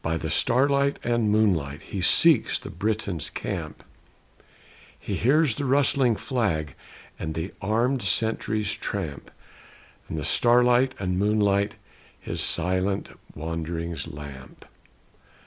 By the starlight and moonlight, He seeks the Briton's camp; He hears the rustling flag And the armèd sentry's tramp; And the starlight and moonlight His silent wanderings lamp.